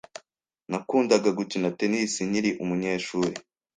Nakundaga gukina tennis nkiri umunyeshuri.